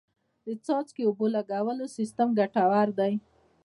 د څاڅکي اوبو لګولو سیستم ګټور دی.